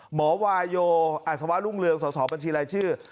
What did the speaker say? หมอวาโยอัศวะรุ่งเรืองสอบบัญชีรายชื่อ